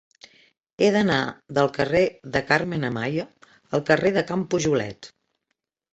He d'anar del carrer de Carmen Amaya al carrer de Can Pujolet.